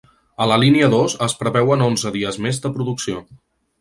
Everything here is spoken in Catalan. A la línia dos es preveuen onze dies més de producció.